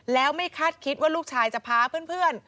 แล้วไม่คาดคิดว่าลูกชายจะพาเพื่อน